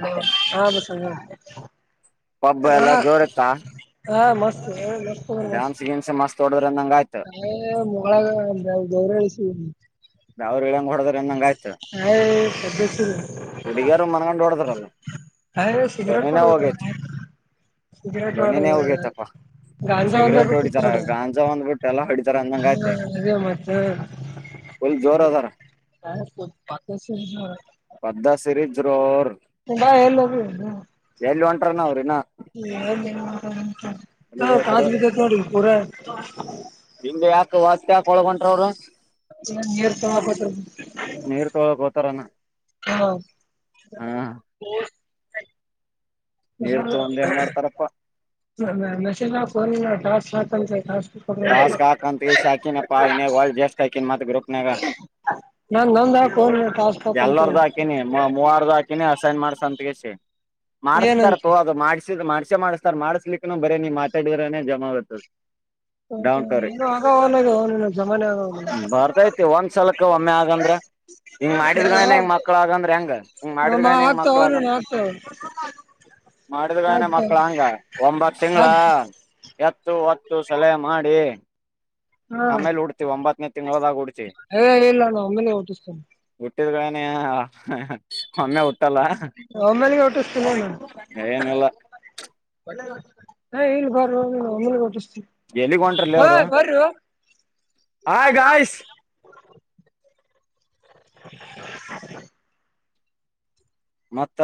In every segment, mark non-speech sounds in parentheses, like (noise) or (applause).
ಹ ಮಸ (inaudible) ಹಾ ಹಾ ಮಸ್ತ್ ಮಸ್ತ್ ಮಸ್ತ್. ನಾವೇ ಮೊಳಗ ನಾ ಗೌರಳಿಸ. ಯಾವ್ರರು ಹೊಡದ್ರ ಅಂದಂಗ ಆಯ್ತು. (unintelligible) ಕ ಸಿಗರೆಟ್ ಪಡೆ (unintelligible) ತೋಡ ಗಾಂಜಾ ಒಂದೋಡ (unintelligible) ಹಾ ಅದೇ ಮತ್ತೆ. ಹ ಬಕಸ (unintelligible) ಸೆರೆ ಜೋರರ್. (unintelligible) ಎಲ್ಲೋಗ ಕಾಸ್ ಬಿದ್ದೈತ್ ನೋಡ್ ಪೂರೆ. ತಿಂಡಿ ಆಯ್ತು ಮತ್ತೆ ಯಾಕ ಒಳಗಂಟ್ರ ಅವ್ರು. ನೀರ್ತಪತ. ಹಾ ನಶೆದ ಕೊ ಟಾಸ್ತ (unintelligible) ಟಸ್ ಕಾಕಂತಕ ಪ ವರ್ಲ್ಡ್ (unintelligible) ಬೆಸ್ ಕತ್ ಗ್ರೂಪ್ ನಗ ಎಲ್ರ್ದುು ಹಾಕಿನಿ ಮೂವರ್ದು ಹಾಕಿನಿ ಅಸೈನ್ ಮಾಡ್ಸಂತಗೆಸಿ. ಮಾಡಸ್ತಾರ ತೋ ಅದು ಮಾಡ್ಸಿದ್ ಮಾಡ್ ಮಾಡಿಸ್ತಾರ್ ಮಾಡಸ್ಲಿಕ್ಕನು ಬರೀ ನೀ ಮಾತಾಡಿದರೇ ಜಮಾ ಬತದು. (unintelligible) ಬರ್ತೈತಿ ಒಂದ್ಸಲಕ್ ಒಮ್ಮೆ ಆಗಂದ್ರೆ. ಹಿಂಗ್ ಮಾಡಿದ್ರೇನೆ ಹೆಂಗ ಮಕ್ಳ ಆಗಂದ್ರ ಹೆಂಗ ಹಿಂಗ್ ಮಾಡಿದ್ರೇನೆ ಮಕ್ಳ ಆಗಂದ್ರ. ಮಾಡಿದ್ಗಾನ ಮಕ್ಳ ಹಂಗ ಒಂಬಕ್ ತಿಂಗಳ. ಎತ್ತು ಒತ್ತು ಸಲಹೆ ಮಾಡಿ. ಆಮೇಲೆ ಉಡ್ತಿವಿ ಒಂಬತ್ತನೇ ತಿಂಗಳದಾಗ ಉಡ್ತೀ (unintelligible) ಒಮ್ಮೆ ಹು ಒಮ್ಮೇಲೆಗೆ ಹುಟ್ಟುಸ್ತೀನೀ ಅನ್ನು. ಹೆ ಇಲ್ ಬಾರೋ ಒಮ್ಮೆಲೆ ಹುಟ್ಟುಸ್ತೀನಿ ಹೇ ಬರ್ರೋ. ಹ್ ಮತ್ತ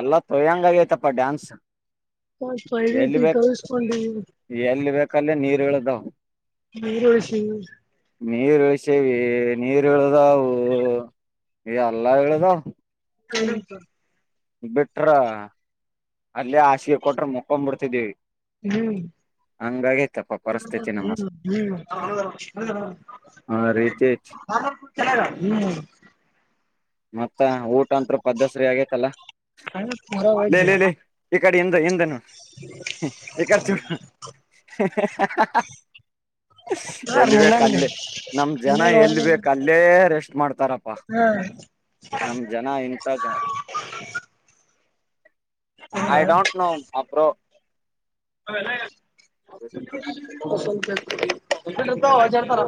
ಎಲ್ಲಾ ತೊಯ್ಯಂಗ ಆಗೈತಪ್ಪ ಡ್ಯಾನ್ಸ್ ಹ ಪವಿತಿ ತೋರಿಸ್ಕೊಂಡಿದ್ದೀವಿ ಕಲ್ಯ ನೀರುಳ್ದವ ನೀರುಳಿಸಿ ನೀರುಳಿಸಿ ನೀರುಳದ ಹ ಏ ಅಲ್ಲಾ ಹೇಳದ ಕಂಡಪ ಬಿಟ್ರ ಅಲ್ಲೇ ಆಸಿಗೆ ಕೊಟ್ರ ಮುಕೊಂಡ್ ಬಿಡ್ತಿದ್ದೀವಿ ಹ್ಮ್ ಹ್ಮ್ ಹ್ಮ್ ಹ್ಮ್ ಮತ್ತ ಊಟ ಅಂತ ಪದ್ದಸರಿ ಆಗೇತಲ್ಲ ಈ ಕಡೆ ಏ ಹಿಂದೆ ಹಿಂದೆ ನೋಡು ಈ ಕಡೆ ಚೂಡು ಎಲ್ಬೆಕ್ ಅಲ್ಲೆ ನಮ್ ಜನ ಎಲ್ಬೆಕ್ ಅಲ್ಲೇ ರೆಸ್ಟ್ ಮಾಡ್ತಾರಪ್ಪ ನಮ ಜನ ಇಂತ ಜನ ಐ ಡೋಂಟ್ ನೋ ಅಪ್ರೋ ಹ ಹಜಾರತರ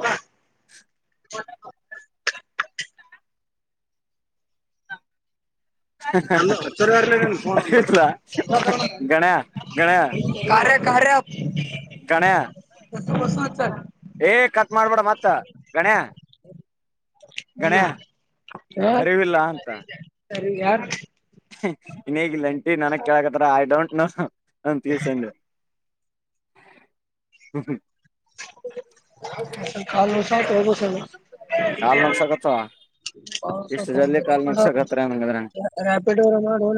ಚ ಹಫೋನ್ ಕಾರ್ರ್ಯಾಪ್ ಗಣ್ಯಾ ಏ ಕಟ್ ಮಾಡ್ಬೇಡ ಮತ್ತ ಗಣ್ಯಾ ಹ ಹ ಸರಿ ಯಾರ ಇನ್ ಹೇಗಿಲ್ಲ ಅಂಟಿ ನನಗ್ ಕೇಳಕತ್ತಾರ ಐ ಡೋಂಟ್ ನೋ ನ ತೀರ್ಸಂದೆ ಹ ಕಾಲಷದು ಚಲ ಕಾಲ್ ನಕ್ಸಾಗತ್ತವಾ ಪೌಸೆ ರಪಿಡ್ ರೆಪಿಡ್ ವ ಮಾಡೋ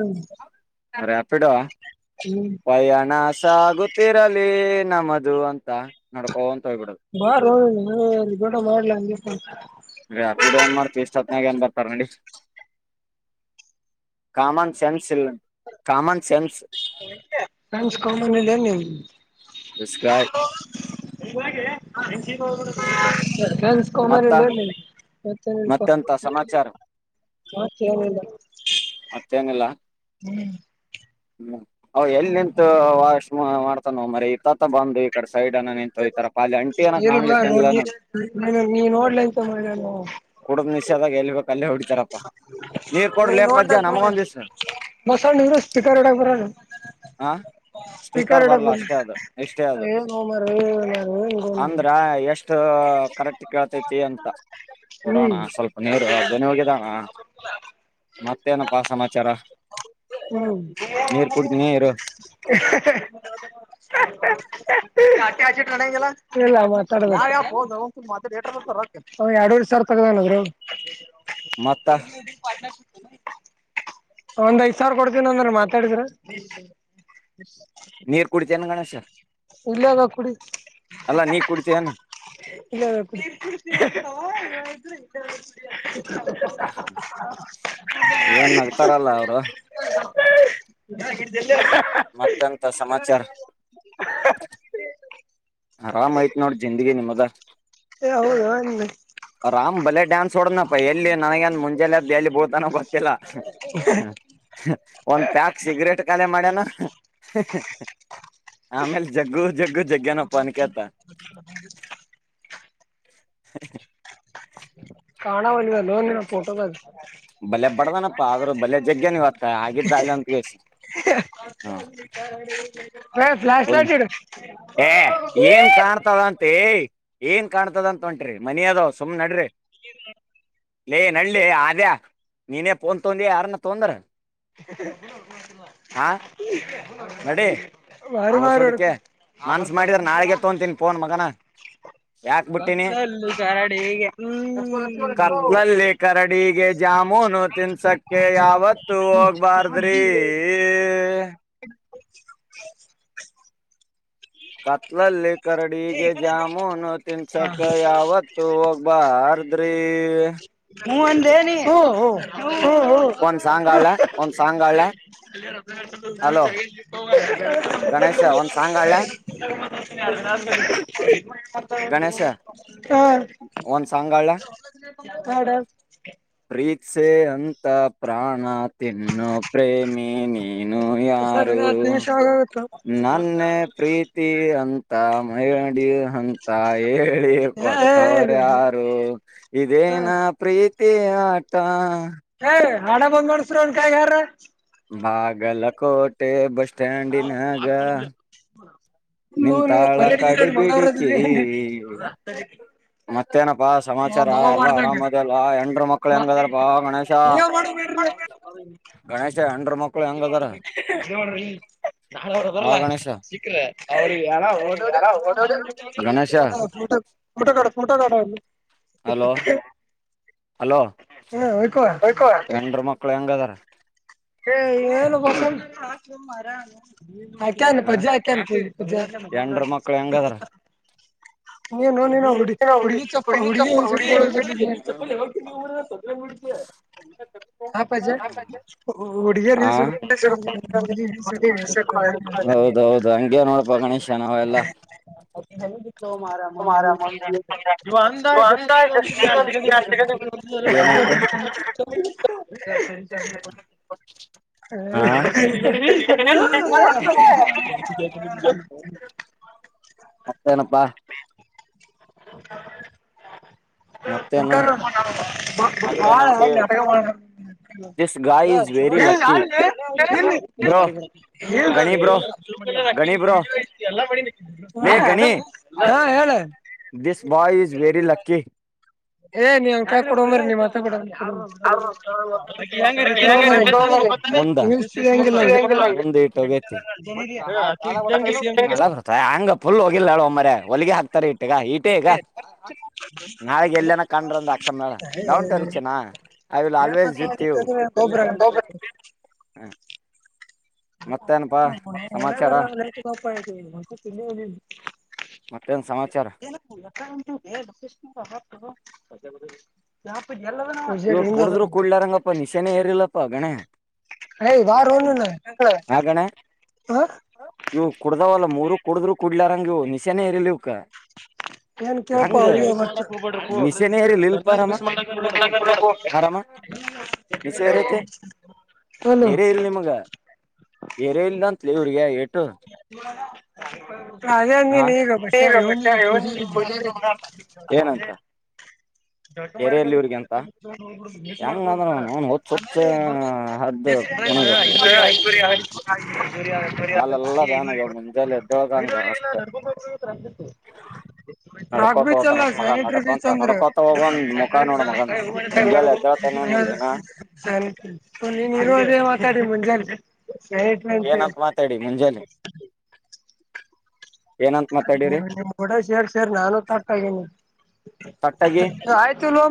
ರಪಿಡೋ ಪಯಣ ಸಾಗುತ್ತಿರಲಿ ನಮ್ಮದು ಅಂತ ನೆಡ್ಕೊಂಡು ಬರೋ ಟ ಮಾಡ್ಲ ಹಗೆ ಸ್ ರಾತ್ ಏನ್ ಮಾಡ್ತಿ ಇ ಸತ್ನಯಾಗ ಏನ್ ಬರ್ತಾರ ನೋಡಿ ಕಾಮನ್ ಸೆನ್ಸ್ ಇಲ್ಲ ಕಾಮನ್ ಸೆನ್ಸ್ ನ್ಸ್ ಕಮನ್ ಎಷ್ಟಕಾಯ್ ಕೇಳಿಸ್ಕೋಮಾರಾ ಮತ್ತೇನೆಲ್ಲ ಪಾ ಟೈಮ್ ಇಲ್ಲ ್ಮ್ ಎಲ್ಲಿ ನಿಂತ ವಾಶ್ ಮಾಡ್ತಾನ ಮರ ಈ ತಾತ ಬಂದು ಈ ಕಡೆಸ ಸೈಡ್ ನ ಎಂತಯತಾರ ಪಾಲೆ ಅಂಟಿನ ಕಾಣ್ಲಿಕ್ಕನ್ಲ್ಲ ನಾನು ಕೂಡದ ನಿಷೇಧಾಗ ಎ ನೀ ನೋಡ್ಬೇಕ ನ ಮಸಾಲ ನೀರುಷ್ಟ ಕರಡ ಬರೋ ಹ ಸ್ಪೀಕರ್ ಬರಲ್ಲ ಅಷ್ಟೇ ಅದು ಎಷ್ಟೇ ಅದು ಅಂದ್ರ ಎಷ್ಟು ಕರೆಕ್ಟ್ ಕೇಳ್ತೈತಿ ಅಂತ ಕೊಡೋಣ ಸ್ವಲ್ಪ ನೀರು ಧ್ವನಿ ಹೋಗಿದಣ ಮತ್ತೇನಪ್ಪಾ ಸಮಾಚಾರ ಹ್ಮ್ (inaudible) (unintelligible) ತಕ್ಕಾಗದ ನಗರೋಗ (unintelligible) ಒಂದ್ ಐದ್ ಸಾವಿರ ಕೊಡ್ತಿನ ಅಂದ್ರ ಮಾತಾಡಿದ್ರ ನೀರ್ ಕುಡಿತೇನೆ ಗಣೇಶ ಇಲ್ಲೆದವ ಕುಡಿತ ಇಲ್ಲೆದವ ಕುಡಿ (unintelligible) ಏನ್ ನಗ್ತಾರಲ್ಲ ಅವ್ರು ಮತ್ತೆಂತ ಸಮಾಚಾರ ಆರಾಮಯ್ತ್ ನೋಡ್ ಜಿಂದಗಿ ನಿಮ್ಮದ ಏ ಹೌದು ರಾಮ್ ಬಲೆ ಡ್ಯಾನ್ಸ್ ಹೊಡದನಪ್ಪ ಎಲ್ಲಿ ನನಗೆನ ಮುಂಜೆಲೆದ ಎಲ್ಲಿ ಬೂಳ್ತಾನ ಗೊತ್ತಿಲ್ಲ ಹ ಒಂದ್ ಪ್ಯಾಕ್ ಸಿಗರೇಟ್ ಖಾಲಿ ಮಾಡ್ಯಾನ ಆಮೇಲೆ ಜಗ್ಗು ಜಗ್ಗು ಜಗ್ಗಾನಪ್ಪ ಅನಿಕೇತ (inaudible) ಹ ಹ ಕಾಣವಲ್ಲಲೊನಿನ ಪೋಟೋದಾಗ ಬಲೆ ಪಡ್ದನಪ್ಪಾ ಆದ್ರೂ ಬಲೆ ಜಗ್ನವತ್ತ ಹಾಗಿದ್ದ ಅಲ್ಲ ಅಂತಷ್ಟ ಆ ಏ ಏನ್ ಕಾಣ್ತದಂತೆ ಏನ್ ಕಾಣತದಂತ ಹೊಂಟ್ರಿ ಮನಿ ಅದವ ಸುಮ್ ನಡ್ರಿ ಹ್ಮ ಲೇ ನಡಿಲೇ ಆದ್ಯ ನೀನೇ ಫೋನ್ ತೊಂದಿ ಯಾರನ್ನ ತೊಂದ್ರ (inaudible) ಬೋಸುಡಕೆ ಮನ್ಸ ಮಾಡಿದ್ರ ನಾಳಿಗೆ ತೊಂತೀನ್ ಫೋನ್ ಮಗನ ಯಾಕ್ ಬಿಟ್ಟೀನಿ ಕತ್ತಲಲ್ಲಿ ಕರಡಿಗೆ ಜಾಮು ನು ತಿನ್ಸಕ್ಕೆ ಯಾವತ್ತು ಬಾರದ್ರಿ ಕತ್ಲಲ್ಲಿ ಕರಡಿಗೆ ಜಾಮೂನು ತಿನ್ಸಕ ಯಾವತ್ ಹೋಗ್ಬಾರ ದ್ರೀ ಹ್ಮ ಅನ್ನಲೆ ನೀ ಹ್ಮ ಹ್ಮ ಹ್ಮ (unintelligible) (inaudible) ಗಣೇಶ ಒಂದ ಸಾಂಗ್ ಅಳ (unintelligible) (unintelligible) ಪ್ರೀತ್ಸೆ ಅಂತ ಪ್ರಾಣ ತಿನ್ನು ಪ್ರೇಮಿನಿ ನೀನು ಯಾರು ನನ್ನೆ ಪ್ರೀತಿ ಅಂತ ಮಡಿ ಅಂತ ಹೇಳಿ ಕೊಟ್ಟೋರು ಯಾರು ಇದೇನ ಪ್ರೀತಿ ತೀ ಆಟಾ ಏ ಹಾಡ ಬಂದ್ ಮಾಡಸ್ರಿ ಅವನ ಕೈಯಾಗ ಯಾರ ಭಾಗಲಕೋಟೆ (unintelligible) ನಿಂತಾಳ ಗಡಿ ಬೀಡಿ ಕಿ ಮತ್ತೇನಪ್ಪಾ ಸಮಾಚಾರ ಎಲ್ಲಾ ಆರಾಮದಲ್ಲ ಎಂಡರು ಮಕ್ಳು ಹೆಂಗದಾರಪಾ ಗಣೇಶ (inaudible) ಗಣೇಶ ಎಂಡ್ರ (unintelligible) (unintelligible) (unintelligible) ಹಾಲೋ ಏಕೋ ಹೆಂಡರು ಮಕ್ಕಳು ಹೆಂಗ ಅದಾರ? (unintelligible) ಏ ಏನ್ ಬಂದಂಗ ಆಯ್ತ ಇಲ್ಲ ಮಾರಾಯ? (unintelligible) ಆಕ್ಯಾ ಪಜ್ಜೆ ಹಾಕ್ಯಾನ ಪಜ್ಜ ನೀ (unintelligible) ನೋಡ ನೀನ್ ಹುಡು ಹುಡುಗಿ ಚಪ್ಪಲ ಹುಡುಗಿ ಹೇಳಿ (inaudible) (inaudible) ಪಾಸ್ ಆತ (unintelligible) ಹಾ ಹೌದ ಹೌದ ಹಂಗೆ ನೋಡ ಪೇಮೆಂಟ್ (unintelligible) ಣೇಶನ ಅವ ಎಲ್ಲಾ? (unintelligible) ಅವರಕೀ ಸನೊಂದ ಇತ್ತ (unintelligible) ಒಲೋ ಮಾರಯಾ (inaudible) ಇವು ಅಂದಾ ಜಸ್ಟ ಒಂದ್ ಎರಡ ಸೆಕೆಂಡ್ ಮಿಸ್ (unintelligible) (inaudible) (unintelligible) (unintelligible) (inaudible) (unintelligible) ಮತ್ತ ಏನ್ ಅಪ್ಪಾ? (unintelligible) (inaudible) (unintelligible) (inaudible) ಬಾಳ ನಾಟಕ ಮಾಡಕತಾನ (inaudible) (unintelligible) (inaudible) ಇಲ್ಲ ಅಲ್ಲ ಲೇ ಇಲ್ಲಿ ಇಲ್ಲ ಲೇ ಸುಮ್ಮ ಕುಂದರ್ ಅಕಿದ ವಿಡಿಯೋ ಐತಿ. ಎಲ್ಲಾ ಮಾಡಿನಿ ಹ ಅದ ಏನ್ ಹಾ ಹೇಳ. (inaudible) (unintelligible) This boy is very lucky. ಏ ನೀ ನನ್ ಕಯಾಗ ಕೊಡೊ ಮಾರಾಯಾ ನೀ ಮಾತಡ ಬೇಡಾ (unintelligible) ಅಕ್ಕಿ ಹೆಂಗ್ ರೇಗುಸೋದು ಗೊತ್ತ ನಿಂಗ ಏನು ತಿಳಿಯಂಗಿಲ್ಲ. (unintelligible) ಕಿತ್ತು ಹೋಗೈತಿ ಒಟ್ಟ ಹಾ ಕಾಲಗ ಹೋತ ಅಕ್ಕಿ ಇಂದಗಸಾ ಹಾಂಗ್ ಫುಲ್ ಹೋಗಿಲ್ಲಾ ಅಳ ಮಾರಾಯ ಹೊಲಗೆ ಹಾಕ ಈಗ ಈಟೇ ಈಗ ನಾಳೆಗೆ ಎಲ್ಲನ ಕಂಡ್ರಂದ ಹಾಕ್ಸೋನ್ ಅಳ್ ಡೋಂಟ್ವರಿ ಚಿನ್ನ. (unintelligible) I will always with you (unintelligible) ಒಳೆಗರಪ್ಪ ಆಯ್ತು (inaudible) (unintelligible) ಮತ್ತ ಏನ್ ಸಮಾಚಾರ? (unintelligible) (inaudible) (unintelligible) ಇವರು ಕುಡದ್ರು ಕೂಡ್ಲಾರಂಗಪ್ಪಾ ನಿಶೇನೇ ಏರಿಲ್ಲಪ್ಪಾ ಗಣೆ? (unintelligible) ಏ ಬಾರೊ ನೀನ್ (unintelligible) ಹಾ ಗಣ್ಯ ಇವು ಕುಡ್ದಾವಲ್ಲ ಮೂರು ಕುಡಿದ್ರು ಕುಡ್ಲಾರಂಗಗ ಇವ ನಿಶೇನೇ ಏರಿಲ್ಲ ಇವ (unintelligible) ಕ ಹೆಂಗ ನಿಶನೇ ಏರಿಲ್ಲ ಇಲ್ಪಾ ರಾಮ? (unintelligible) ನೀನು ಕುಡಿಯೋಕ ಹೋಗು ರಾಮ (unintelligible) ನಿಷೇ ಏರೀತಿ ಏರಿಲ್ ನಿಮ್ಮಗ (unintelligible) ಏರ ಇಲ್ಲ ಅಂತ ಇವ್ರಿಗೆ ಏಟು? (unintelligible) ಅದೇ ನೀ ಈಗ ಬಸ್ಯಗ (inaudible) (unintelligible) ಕುಡಿದಿದ್ದೆ ಮಗ (inaudible) ಜಳಕ ಮಾಡ ಬರೋಗ (unintelligible) ಮಿಸ್ ಮಾಡಕೊಳ್ಳದು ಬೇಡ ಆಮೇಲ್ ಬರ ಹೊತ್ನ್ಯಾಗ (inaudible) (unintelligible) (inaudible) (unintelligible) ಐದೂ ವರಿ ಆಯ್ತು ಐದೂ ವರಿ (inaudible) (unintelligible) ರಾಕ್ ಬೀಚ್ ಎಲ್ಲ ಸ್ಯಾನಿಟ್ರಿ ಬೀಚ್ ಅಂದರ (inaudible) (unintelligible) (inaudible) ನೀನೂ ಅದೇ ಮಾತಾಡಿ ಮುಂಜಾನೆ. (unintelligible) ಕೇಳೇತ ಅಂತ ಹೇಳ? (inaudible) (unintelligible) (inaudible) ನಿಮ್ಮ ನಿಮ್ಮ ಕೋಡ ಸೇರ್ ಸೇರ್ ನಾನು ತಟ್ಟಗೇನಿ. (unintelligible) ತಟ್ಟಾಗಿ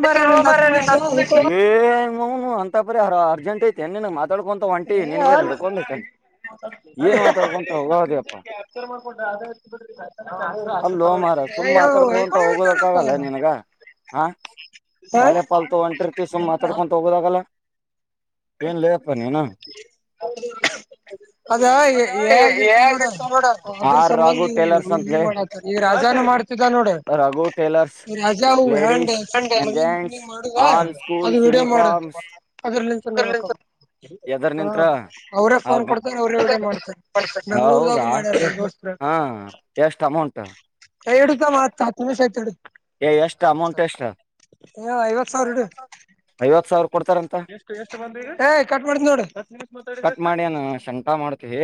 ಬಿಸಿಲು ಮಾರಾಯರೆ ನಾನ್ ಸುಮ್ಮ ಏ ನಿಮ್ಮವ್ವನ್ ಅಂತ (unintelligible) ಬರಿ ಅರ ಅರ್ಜಂಟ್ ಐತಏನ್ನ್ ಮಾತಾಡ್ಕೊಂತ ಹೊಂಟಿ ನಿನಗ ಏನ್ ಹಿಡ್ಕೊಂಡೈತೆ ಏನ್ (unintelligible) (inaudible) ಹತ್ರುಪಾಯಿಕೊಂದು (unintelligible) ಸುಮ್ಮ ಮಾತಾಡ್ಕೋಂತ ಹೋಗೋದಕ್ಕ ಆಗಲ್ಲ ಏನ್ ನಿನಗ (unintelligible) ಈಗ ಹಾ ಕಾಲೀ ಫಾಲ್ತು ಹೊಂಟಿರ್ತಿ ಸುಮ್ಮ ಮಾತಾಡ್ಕೊಂತ ಹೋಗೋದಾಗಲ್ಲ? (unintelligible) ಏನ್ ಲೇ ಪಾ ನೀನ? (unintelligible) ಅದ ಹೇಗಿರ್ತರ ನೋಡ ಅದರ ಸಂಬಂಧಿ ಮೀನ ಮಾಡತಾನ ಈ ರಾಜಾ ಮಾಡ್ತಿದ್ದ ನೋಡ ಮಾಡುವ ಅದು ವಿಡಿಯೋ ಮಾಡದು ರಕ ಹಾ ಅವರೇ ಫೋನ್ ಕೊಡ್ತಾರೆ ಅವ್ರೇ ಒರೇ ಮಾಡ್ತಾರೆ ಮಂಗಗಳೂರ್ದಾಗು ಮಾಡ್ಯ ಹಾ ಎಷ್ಟು ಅಮೌಂಟ್ ಹೇಡಿಕ ಮತ್ ಹತ್ತು ನಿಮಿಷಐತ್ ಏ ಎಷ್ಟ ಅಮೌಂಟ್ ಎಷ್ಟ ಐವತ್ ಸಾವಿರ ಕೊಡ್ತಾರಂತ ಕಟ್ ಮಾಡ್ಯಾನ ಶಂಟಾ ಮಾಡ್ತೀವಿ